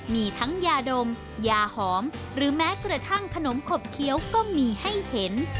มีทั้งยาดมยาหอมหรือแม้กระทั่งขนมขบเคี้ยวก็มีให้เห็น